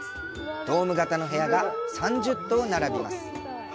ドーム型の部屋が３０棟並びます。